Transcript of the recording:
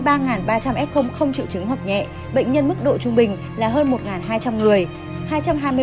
trong đó hơn ba ba trăm linh f không trự trứng hoặc nhẹ bệnh nhân mức độ trung bình là hơn một hai trăm linh người